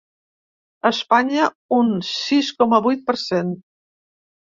A Espanya, un sis coma vuit per cent.